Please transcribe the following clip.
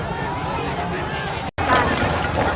สวัสดีครับทุกคน